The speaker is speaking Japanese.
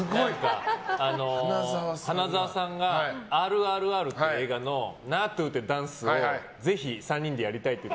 花澤さんが「ＲＲＲ」っていう映画のナートゥってダンスをぜひ３人でやりたいって。